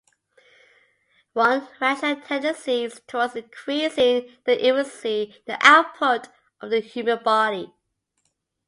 One rational tendency is towards increasing the efficiency and output of the human body.